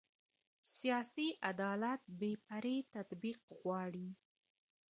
سیاسي عدالت بې پرې تطبیق غواړي